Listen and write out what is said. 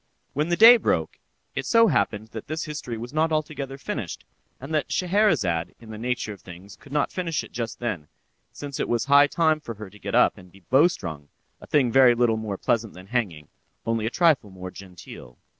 When the day broke, it so happened that this history was not altogether finished, and that Scheherazade, in the nature of things could not finish it just then, since it was high time for her to get up and be bowstrung—a thing very little more pleasant than hanging, only a trifle more genteel!